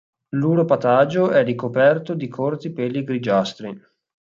L'uropatagio è ricoperto di corti peli grigiastri.